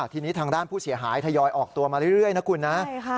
ทีนี้ทางด้านผู้เสียหายทยอยออกตัวมาเรื่อยนะคุณนะ